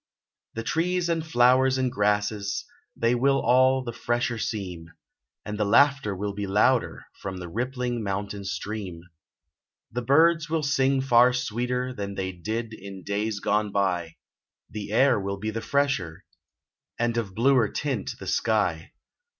The trees and flowers and grasses, They will all the fresher seem, And the laughter will be louder From the rippling mountain stream. The birds will sing far sweeter Than they did in days gone by, The air will be the fresher, And of bluer tint the sky.